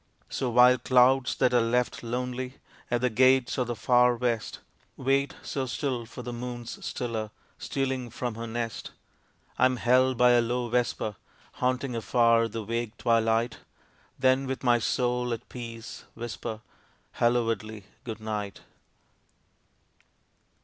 So while clouds that are left lonely At the gates of the far West Wait, so still, for the moon's stiller Stealing from her nest, I am held by a low vesper Haunting afar the vague twilight, Then with my soul at peace whisper Hallowedly good night.